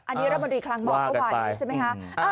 อันนี้รัฐมนตรีคลังบอกเมื่อวานนี้ใช่ไหมคะ